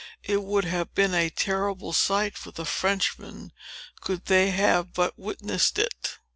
It would have been a terrible sight for the Frenchmen, could they but have witnessed it!